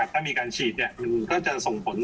ถ้ามีการฉีดมันก็จะส่งผล